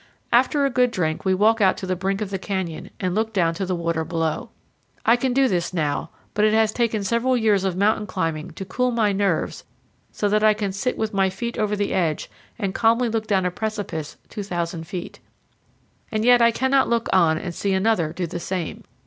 After a good drink we walk out to the brink of the canyon and look down to the water below. I can do this now, but it has taken several years of mountain climbing to cool my nerves so that I can sit with my feet over the edge and calmly look down a precipice 2,000 feet. And yet I cannot look on and see another do the same.